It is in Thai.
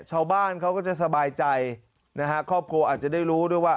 ชาวบ้านเขาก็จะสบายใจนะฮะครอบครัวอาจจะได้รู้ด้วยว่า